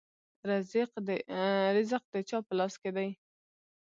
رزق د چا په لاس کې دی؟